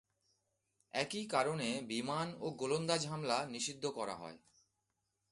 একই কারণে বিমান ও গোলন্দাজ হামলা নিষিদ্ধ করা হয়।